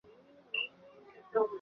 主要角色有芳山和子。